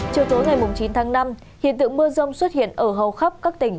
chiều tối ngày chín tháng năm hiện tượng mưa rông xuất hiện ở hầu khắp các tỉnh